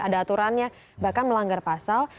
ada aturannya bahkan melanggar pasal